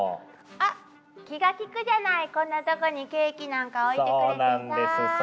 あっ気が利くじゃないこんなとこにケーキなんか置いてくれてさ。